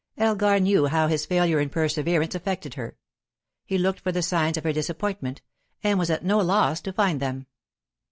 Elgar knew how his failure in perseverance affected her; he looked for the signs of her disappointment, and was at no loss to find them.